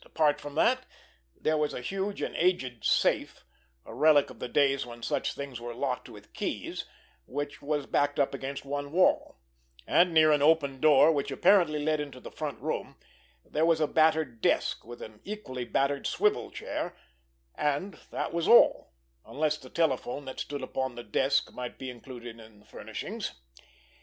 Apart from that, there was a huge and aged safe, a relic of the days when such things were locked with keys, which was backed up against one wall; and near an open door, which apparently led into the front room, there was a battered desk with an equally battered swivel chair—and that was all, unless the telephone that stood upon the desk might be included in the furnishings.